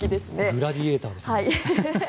グラディエーターですね。